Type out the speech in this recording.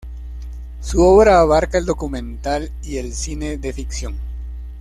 Su obra abarca el documental y el cine de ficción.